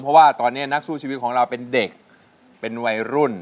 เพราะว่าตอนนี้นักสู้ชีวิตของเราเป็นเด็กเป็นวัยรุ่น